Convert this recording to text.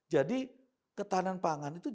jadi ketahanan pangan itu jangan hanya dilakukan